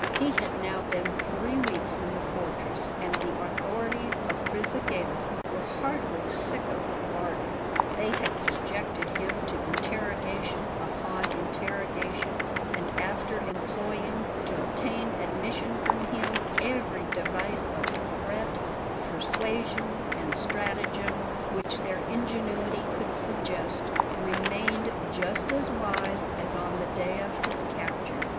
He had now been three weeks in the fortress, and the authorities of Brisighella were heartily sick of their bargain. They had subjected him to interrogation upon interrogation; and after employing, to obtain admissions from him, every device of threat, persuasion, and stratagem which their ingenuity could suggest, remained just as wise as on the day of his capture.